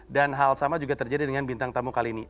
dan hal sama juga terjadi dengan bintang tamu kali ini